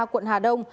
quận hà đông